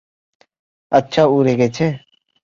আচ্ছা উড়ে গেছে?